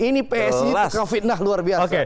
ini psi itu ke fitnah luar biasa